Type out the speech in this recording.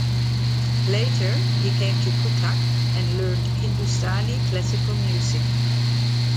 Later he came to Cuttack and learned Hindustani classical music.